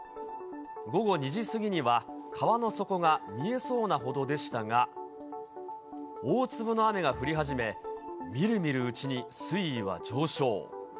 午後２時過ぎには、川の底が見えそうなほどでしたが、大粒の雨が降り始め、みるみるうちに水位は上昇。